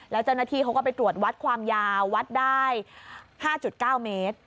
แล้วเจ้าหน้าที่เขาก็ไปตรวจวัดความยาววัดได้๕๙เมตร